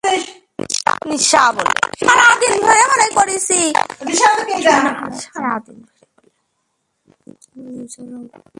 আমি অনুযা রাও।